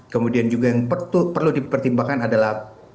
kemudian juga yang perlu dipertimbangkan adalah